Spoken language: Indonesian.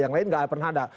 yang lain nggak pernah ada